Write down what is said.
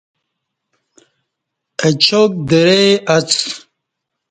اچاک درئ اڅ۔